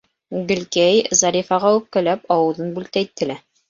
Гөлкәй, Зарифаға үпкәләп, ауыҙын бүлтәйтте лә: